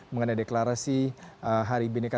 yang telah saya deklarasi hari bnk